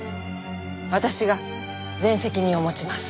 私が全責任を持ちます。